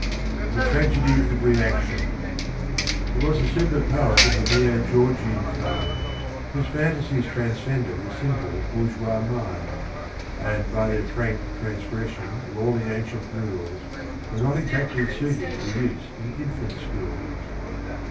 114 A TRAGEDY OF REACTION. It was a super poet of the neo Georgian kind Whose fantasies transcended the simple bourgeois mind, And by their frank transgression of all the ancient rules Were not exactly suited for use in infant schools.